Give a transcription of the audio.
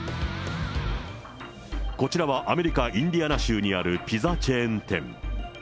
こちらはアメリカ・インディアナ州にあるピザチェーン店。